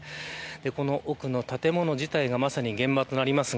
この奥の建物自体がまさに現場となります。